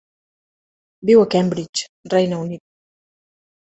Viu a Cambridge, Regne Unit.